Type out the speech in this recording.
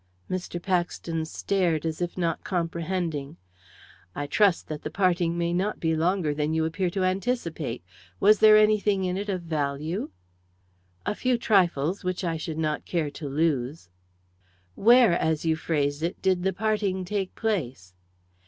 Mr. Paxton stared, as if not comprehending. "I trust that the parting may not be longer than you appear to anticipate. Was there anything in it of value?" "A few trifles, which I should not care to lose." "Where, as you phrase it, did the parting take place?"